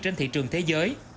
trên thị trường thế giới